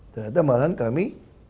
ternyata malahan kami